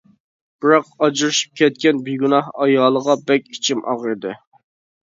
بىراق ئاجرىشىپ كەتكەن بىگۇناھ ئايالىغا بەك ئىچىم ئاغرىدى.